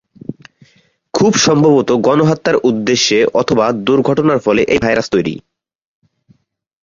খুব সম্ভবত গণহত্যার উদ্দেশ্যে অথবা দূর্ঘটনার ফলে এই ভাইরাস তৈরি।